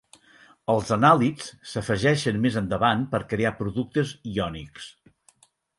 Els anàlits s"afegeixen més endavant per crear productes iònics.